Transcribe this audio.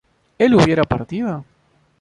¿él hubiera partido?